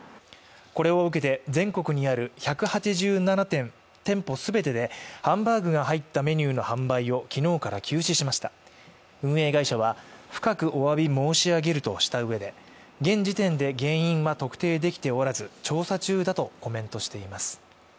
これを受けて全国にある１８７店舗すべてでハンバーグが入ったメニューの販売をきのうから休止しました運営会社は深くおわび申し上げるとしたうえで現時点で原因は特定できておらず調査中だとコメントしています